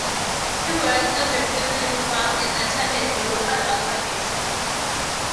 He worked on the family farm and attended a local academy.